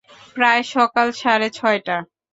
প্রায় সকাল সাড়ে ছয়টা।